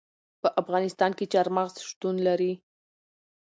په افغانستان کې چار مغز شتون لري.